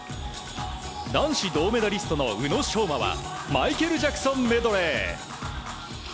男子銅メダリストの宇野昌磨はマイケル・ジャクソンメドレー。